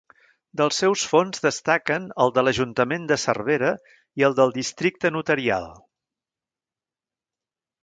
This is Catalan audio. Dels seus fons destaquen el de l'Ajuntament de Cervera i el del Districte Notarial.